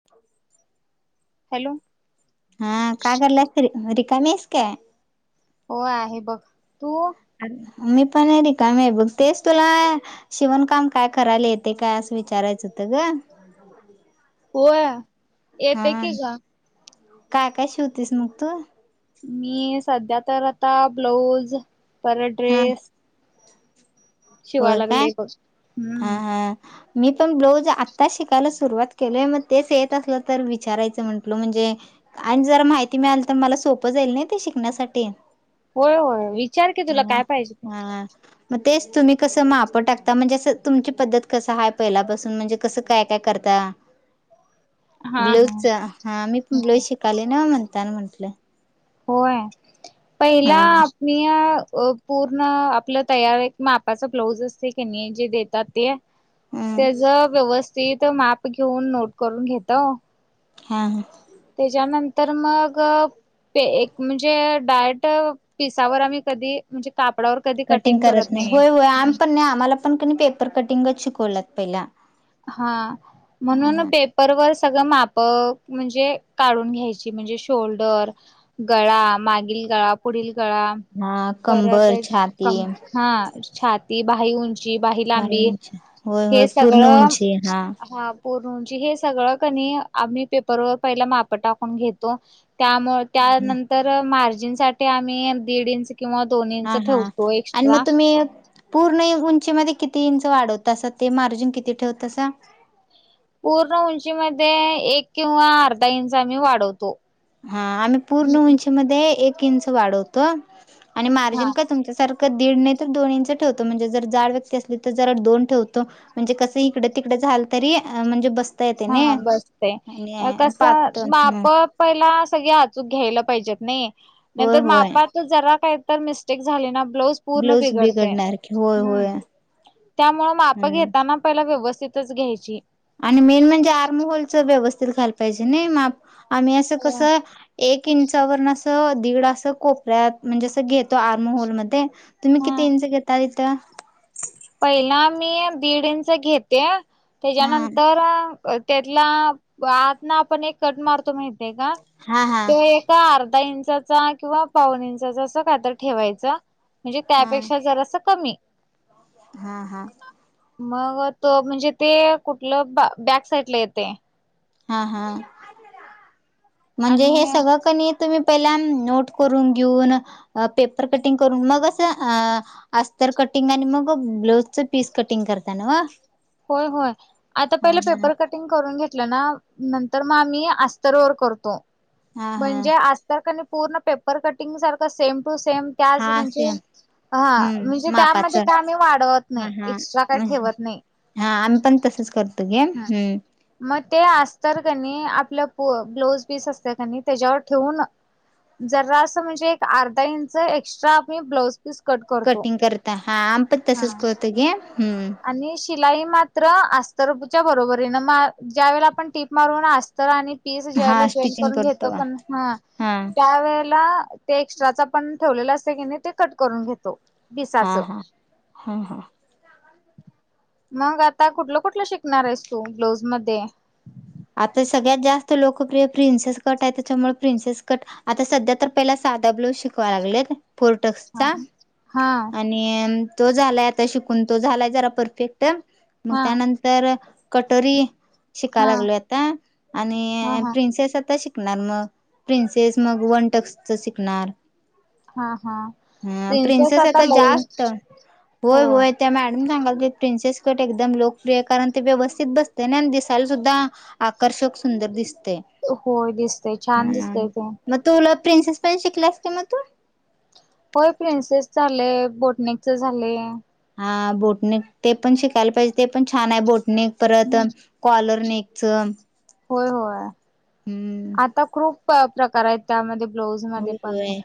[inaudible] Hello हा काग ला र रिका मेस काय हो आहे बघ तू अरे मी पण आहे रिकमी आहे बघतेच तुला शिवणकाम काय करायला येते काय असं विचारायचं होतं ग होया येते हा की का काय काय शिवतीस मग तू मी सध्या तर आता ब्लाऊज परत हा ड्रेस [inaudible] शिवाय होय काय लागले हा हम्म हा मी पण ब्लाऊज आत्ता शिकायला सुरुवात केलय मग तेच येत असलं तर विचारायचं म्हटल म्हणजे आणि जर माहिती मिळाल तर मला सोपं जाईल ना ते शिकण्यासाठी होय होय विचार क तुला हा काय पाहिजे हा मग तेच तुम्ही कसं मापं टाकता म्हणजे असं तुमची पद्धत कस आहेय पहिल्यापासून म्हणजे कसं काय काय करता हा हा ब्लाऊजच हा मी पण ब्लाऊज शिकाले ना म्हणताना म्हंटलं होय हा पहिला मी या पूर्ण आपलं तयार एक मापाचा ब्लाऊज असते की नाही जे देतात हम्म त्याच व्यवस्थित माप घेऊन नोट करून घेत हा त्याच्यानंतर मग प एक म्हणजे डायट पिसावर आम्ही कधी म्हणजे. कापडावर कधी. कटिंग करत नाही होय होय आम पण नाही आम्हाला पण क पेपर कटिंगच शिकवलात पहिला. हा म्हणून ह पे परवर सगळं माप म्हणजे काढून घ्यायची म्हणजे शोल्डर गळा मागील गळा पुढील गळा हा परत कंबर छाती कम हा छाती बाही उंची बाही लांबी हे सगळं ते हा हा पर्णु उंची हे सगळं कनी आम्ही पेपरवर पहिला माप टाकून घेतो. त्यामुळे त्यानंतर मार्जिनसाठी आम्ही दीड इंच, किंवा हा दोन्ंच हा ठेवतो आणि मग एक्स्ट्रा- तुम्ही पूर्ण उंचीमध्ये किती इंच वाढवत अस ते मार्जिन किती ठेवतसा? पूर्ण उंचीमध्येध्ये एक किंवा अर्धा इंच आम मही वाढवतो. हा आम्ही पूर्ण उंचीमध्येध्ये एक इंच वाढवतो आणि हा मार्जिन का तुमच्यासारखं, दीड नाही तर दोन इंच ठेवतो म्हणजे जर जाड व्यक्ती असली तर जरा दोन ठेवतो. म्हणजे कसं इकडे तिकडे झाल तरी म्हणजे बस- हा बसत कस पातळ ह माप- पहिला सगळ आचूक घ्यायला पाहिजेत नाही होय नंतर होय मापा- तर जरा काही तर मिस्टेक झाली ना ब्लाोज- पूर्ण ब्लाऊज बिघडते बिघडणार की होय होय हम्म त्यामुळे माप हम्म घेताना, पहिला व्यवस्थितच घ्यायची. आणि मेन म्हणजे आर्महलच व्यवस्थित घायला पाहिजे नाही म आम्ही असं कसं. एक इंचावरन असं दीड असं कोपऱ्यात म्हणजे असं घेतो आर्महॉलमध्ये. तुम्ही हा किती इंच घेतता इथं? पहिला मी दिडं इच घेते हा त्याच्यानंतर- त्यातला आत ना आपण एक कट मारतो माहते का हा हा तो- का अर्धा इंचाचा किंवा पावन इंचाचा असं काही तर ठेवायचं. म्हणजे हा त्यापेक्षा जरा असं कमी. हा हा मग त म्हणजे ते कुठलं बॅक साईड ला येते. हा हा म्हणजे हे आणि सगळं कणी. तुम्ही पहिला नोट करून घेऊन पेपर कटिंग करून मगं- अस्तर कटिंग आणि मग ब्लाऊजच पीस कटिंग करताना नव? होय होय आता पहिले पेपर कट- करुन घेतल ना नंतर मग आम्ही अस्तर करतो हा हा म्हणजे, तर पूर्ण पेपर कटिंग सारख सेम टू सेम त्याच हा म्हणजे. सेम हा हम्म म्हणजे मापाच त्यामध्ये काय हा मी वाढवत नाही हा एक्स्ट्रा काय ठेवत नाही. हा आम्ही पण तसच करतो गे हम्म, मग ते असत कनी आपलं ब्लाौज पीस असत कनी त्याच्यावर ठेऊून- जरा असं म्हणजे एक अर्धा इंच एक्स्ट्रा ब्लाज- कटिंग करता हा आमपण तसच हा करत गे हम्म. आणि शिलाई मात्र अस्तरच्या बरोबर आहे ना ज्या वेळे आपण टीप मारू ना. तर आणि पीस हा ज्याला जॉईट स्टिचिंग करून घेतो करतो बा. पण हा त्यावेेळेला. ते एक्स्ट्राचं पण ठेवलेलं असते की नाही ते कट करून घेत. हा हा हा हा मग आता कुठलं कुठलं शिकणार आहेस तू ब्लाऊज मध्ये. आता सगळ्यात जास्त लोकप्रिय प्रिन्सेस कट आहे त्याच्यामुळे प्रिन्सेस कट आता सध्या तर पहिला सादा ब्लाउस शिकवा लागलेत हा फोर्टक्सचा हा अन आणि तो झालाय आता शिकून तो झालाय जरा परफेक्ट मग हा त्यानं तर कटोरी शिकायला हा लागलोयात त्या आणि हा हा प्रिन्सेस आता शिकणार मग प्रिन्सेस मग वन टक्स च शिकणार हा हा हा प्रिन्सेस आता जास्त होय होय. त्या मॅडम सांगाल क प्रिनसेस कट एकदम लोकप्रिय कारण ते व्यवस्थित बसते ना दिसायला सुद्धा. आकर्षक सुंदर दिसते. होय दिसतय छान हा दिसतय ते. मग तुला प्रिनसिस पण शिकलास का मग तू? होय प्रिन्सेस झाले बोटनिकच झाले. हा बोटनिक ते पण शिकायला पाहिजे ते पण छान आहे बोटनिक परत कॉलर नेकचं होय होय हम्म आता खूप प्रकार आहेत त्यामध्ये ब्लाउज हो व्हय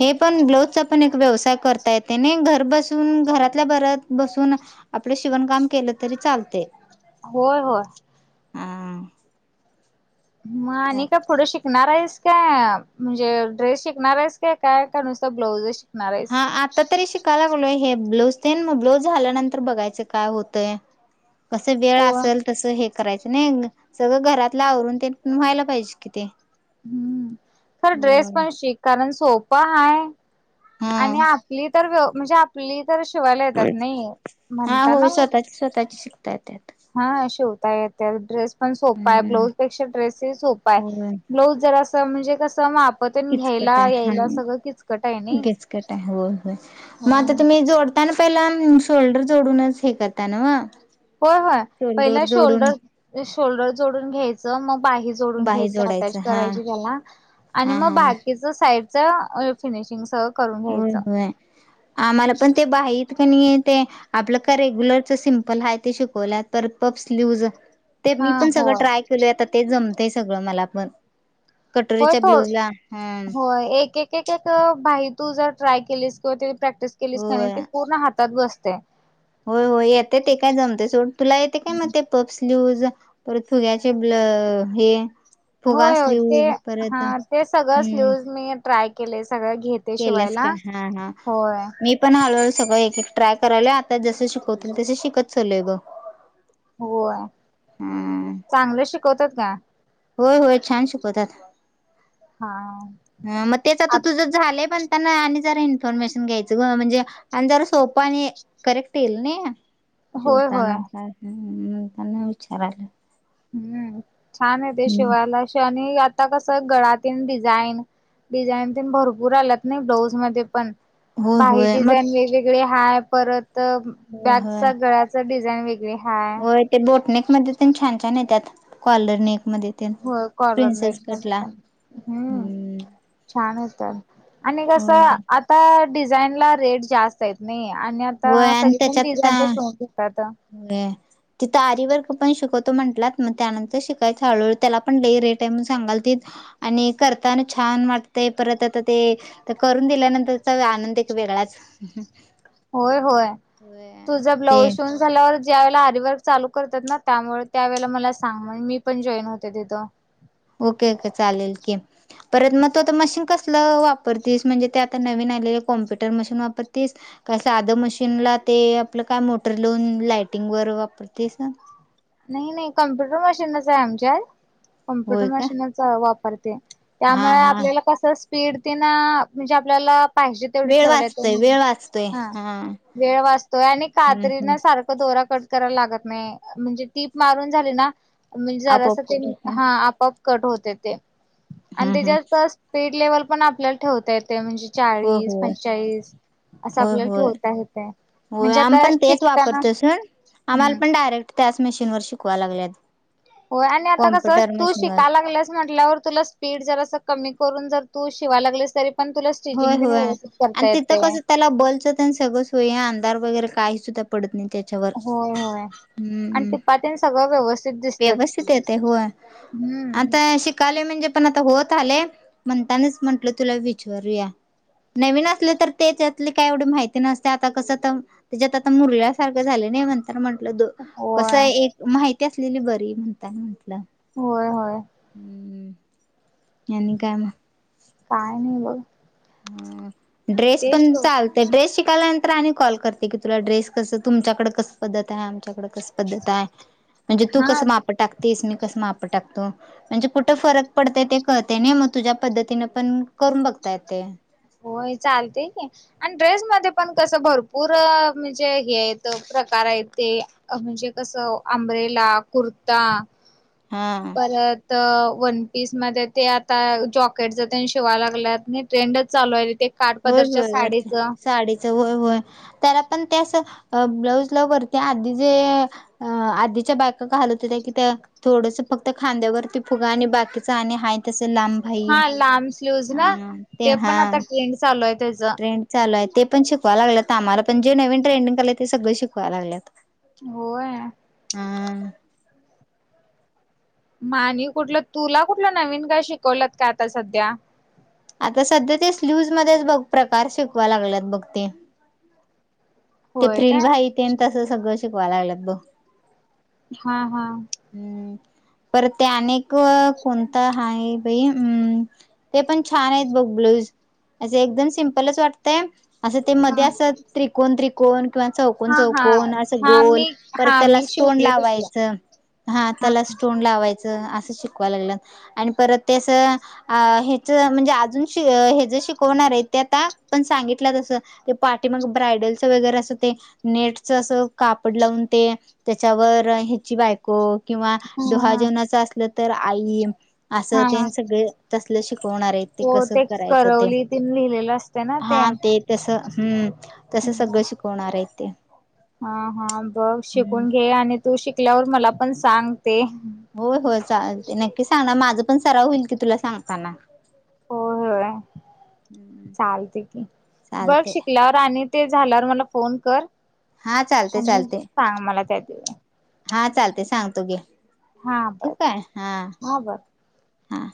हे पण ब्लाऊजचा पण एक व्यवसाय करतायेते तनही घर बसून घरातल्या बरात बसून आपले शिवणकाम केलं तरी चालते होय होय हा. मग आणि का पुढं शिकणार आहेस का म्हणजे ड्रेस शिकणार आहेस ते काय काय का नुसंत ब्लाउज हा आता तरी शिकायला लागलोय हे ब्लाऊज ते मग ब्लाऊज झाल्यानंतर बघायचं काय होतंय कसं वेळ हो असेल तसं हे करायचं नाही न सगळं घरातल आवरून ते व्हायला पाहिजे कि ते हम्म खर ड्रेस होय. पण शिक कारण सोपां हाय हा आणि आप पली तर व्य म्हणजे आपली तर शिवायला येतात नाही म्हणताना व त्याच शिकताये त्यात हा हा शिव ड्रेस पण सोप आहे हम्म ब्लाजपेक्षा ड्रेससही सोपा आहे होय. ब्लाउज जरा म्हणजे कसं माप किचकट आहे आहे नाही किचकट आहे होय होय मग आता हो तुम्ही जोड त्या पहिला शोल्डर जोडूनच हे करताना वा होय होय पहिला शोल्डर शोल्डर जोडून घ्यायचं मग बाहेर जोडून बाही घ्यायच अटॅच जोडायचं हा करायची त्याला आणि हा मग हा. बा किच साईडचा फिनिशिंगस हो होय आम्हाला पण ते बाहीत ते आपलं का रेग्युलरच सिम्पल हाय ते शिकवल्या परत पप स्लिउज ते मी हा पण सगळं होय ट्राय केलोय आता ते जमतेय सगळं मला पण कटोरीच्या ब्लूज ला हम हो एक एक एक एक बाही तू जर ट्राय केलीस किंवा त प्रॅक्टिस केलीस का नाही ती होय पूर्ण हातात बसते होय होय येते ते काय जमते सोड तुला येते काय मग ते पप्स स्लिउज परत फुग्याचे ब्ल अ हे फुगा होय होय ते स्लीव्हज हा परत ते सगळं हम्म स्लिउज मी ट्राय केले सगळं घेत केल्यास का हा हा मी पण हळूहळू सगळं एक एक ट्राय करायले आता जसं शिकवतील तस शिकत चलोय बघ होय हम्म चांगलं शिकवतात का होय होय छान शिकवतात हा मग त्याच आता आत तुझ झालंय पण त्यांना आणि जरा इन्फॉर्मेशन घ्यायचं ग म्हणजे आणि जरा सोपा आणि करेक्ट येईल ना होय शिवता होय नंत त्यांना विचाराला हम्म छान आहे ते शिवायला शेवा आणि आता कस गळातण डिझाईन डिझाईन ते भरपूर आलात नाही ब्लाऊज मध्ये पण होय बाही होय मग डिझाईन वेगवेगळे हाय परत होय होय बॅगचा गळ्याच डिझाईन वेगळे हाय होय ते बोटनेक मध्ये पण छान छान येतात कॉलरनेक मध्ये तेन हो कॉलर नट प्रिन्सेस म कटला प हम्म. होय छान होतात आणि कसं आता डिझाईन ला रेट जास्त. नाही आणि आता होय सगळे जण डिझाईनचे शिवून घेतात. हो. तिथ आरी वर्ग पण शिकवतो म्हटलात. मग त्यानंतर शिकायचं हळूहळू त्याला पण लय रेट आहेत सांगालतीतं. आणि करताना छान वाटतय परत आता ते तर करून दिल्यानंतरचा आनंद एक वेगळाच. होय.. होय.. होय तुझा ते ब्लाऊज शिवून झाल्यावर ज्यावेळा आरीवर्क चालू करतात ना त्यामुळे त्यावेळे मला सांग. मग मी पण जॉईन होते तिथं. ओके.. ओके.. चालेल की. परत मग तू आता मशीन कसलं वापरतीस म्हणजे ते आता नवीन आलेले कॉम्प्युटर मशीन वापरतीस. का साधं मशीनला ते आपलं काय मोटर लावून लाईटिंग वर वापरतीसं. नाही नाही कम्प्युटर मशीनच आहे आमच्यातं. कम्प्युटर होय का मशीनचा वापरते. हा त्यामुळे हा आपल्याला कस स्पीड ति ना म्हणजे आपल्याला पाहिजे तेवढी वेळ ठेवायला वाचतोय येतयं. वेळ वाचतोय हा वेळ वाचतोय आणि हम्म कात्रीन हम्म सारखं दोरा कट करायला लागत नाही. म्हणजे टीप मारून झाली नाम म्हणजे आपोआप जरासं ते. कर हा... प कट होत येते आणि हम्म हम्म त्याच्यात स्पीड लेवल पण आपल्याला ठेवता येते म्हणजे. चाळीस होय पंचेचाळीस. असं हो आपल्याला होय.. ठेवता येतय होय.. म्हणजे आम आता पण तेच शिकताना वापरतो असून आम्हाला हम्म पण डायरेक्ट. त्याच मशीनवर शिकवाला लागलेत. होय आणि आता कसं तू शिकायला गेलस म्हटल्यावर तुला स्पीड जर अस कमी करून जर तू शिवाय लागलीस तरी पण तुला स्टिचिंग पण व्यवस्थित करता येतयं. बोलचंद. सगळं सोय अंधार वगैरे काही सुद्धा पडत नाही त्या होय.. होय... आणि टिपा तेन सगळं व्यवस्थित दिसतात व्यवस्थित येतयं होयं हम्म आता शिक शिकलोय म्हणजे पण आता होत आलयं म्हणताच म्हंटलं तुला विचारूया. नवीन असले तर ते त्यातले काय एवढी माहिती नसते आता कसं तर त्याच्यात आता मुरल्यासारखं झाले नाही म्हणत. तर म्हंटलं द कसं होय एक माहिती असलेली बरी म्हणता म्हटलं. होय.. होय. आणि काय मगं. काय नाही बघं. ह ड्रेस पण तो चालतयं. ड्रेस शिकायल्या- णी कॉल करते की तुला ड्रेस कसं तुमच्याकडे कसं पद्धत आहे आमच्याकडे कसं. पद्धत आहे. म्हणजे तू हा कसं माप टाकतेस. मी कसं माप टाकतो. म्हणजे कुठं फरक पडतयं ते कळते नाही. मग तुझ्या पद्धतीने पण करून बघता येतयं. होयं चालतेय की. आणि ड्रेस मध्ये पण कसं भरपूर म्हणजे हे आहेत प्रकार आहेत ते. अ म्हणजे कस आंब्रेला कुर्ता. हा. वन पीस मध्ये ते आता जॉकेट जे शिवायला लागलेतं ट्रेंडच चालू आहे ते. काठ होय.. पदरच्या होय.. वरच साडीच साडीचं होय.. होय. त्याला पण ते असं ब्लाउजला वरती आधी जे.. अं आधीच्या बायका घालत होत्या कि त्या थोडस फक्त खांद्यावरती फुगा आणि बाकीच आणि हाय तस लांब बाही हा लांब स्लीवज ना अ ते पण आता ट्रेंड चालूय तेज लू आहे ते पण शिकवाय लागलंत आम्हाला. जे नवीन ट्रेंडिंग आलयं ते सगळं शिकवायला लागलेतं. होय.. मानी कुठलं तुला कुठलं नवीन काय शिकवलत का आता सध्या. आता सध्या ते स्ल्यूज मध्येच बघ प्रकार शिकवाला लागलेत बघ ते. ते होय फ्रिल काय भाई ते तसं सगळं शिकवायला लागलेत बघं. हा हा हम्म पर ते अनेक कोणता हाय बाई अम् ते पण छान आहेत बघ ब्लऊज असे एकदम सिम्पलच वाटतय. असं ते मध्ये हा असं त्रिकोण त्रिकोण किंवा चौक चौकोन हा हा चौकोन असं हा मी गोल परत हा त्याला मी स्टोन शिवले तसलं लावायचं. हा त्याला स्टोन लावायचं असं शिकवा लागल्यात आणि परत ते अस अ हेच म्हणजे अजून श हेज शिकवणार आहे ते आता पण सांगितलं तसं ते पाठीमाग ब्रायडलच वगैरे असं ते नेटच अस कापड लावून ते त्याच्यावर ह्याची बायक को किंवा हा डोहाळ जेवणाच असलं तर आई असं हा तेन सगळ तसल शिकवणार आहेत ते हो कसं करायचं ते करवली तीन लिहिलेलं असते ना हा ते तस हम्म तस सगळं शिकवणार आहेत ते हा हा बघ हम्म शिकून घे आणि तू शिकल्यावर मला पण सांग ते. होय होय चालते नक्की सांगणार माझं पण सराव होईल की तुला सांगताना. होय होय हम्म चालते की बघ चालते शिकल्यावर आणि ते झाल्यावर मला फोन कर हा चालते आणि चालते सांग मला काय ते हा चालतय सांगतो की हा ठेऊ बर काय हा हां